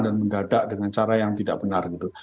dan mendadak dengan cara yang tidak benar gitu